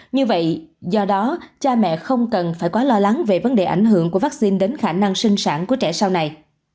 như vậy do đó cha mẹ không cần phải quá lo lắng về vấn đề ảnh hưởng của vaccine đến khả năng sinh sản của trẻ sau này